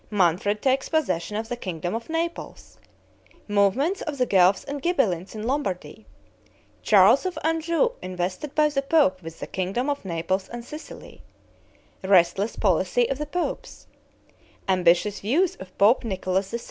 Manfred takes possession of the kingdom of Naples Movements of the Guelphs and Ghibellines in Lombardy Charles of Anjou invested by the pope with the kingdom of Naples and Sicily Restless policy of the popes Ambitious views of pope Nicholas III.